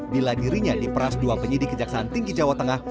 bila dirinya diperas dua penyidik kejaksaan tinggi jawa tengah